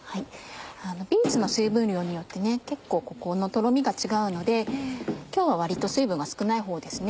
ビーツの水分量によって結構とろみが違うので今日は割と水分が少ないほうです。